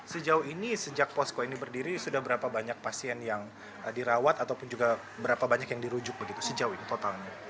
sejauh ini sejak posko ini berdiri sudah berapa banyak pasien yang dirawat ataupun juga berapa banyak yang dirujuk begitu sejauh ini totalnya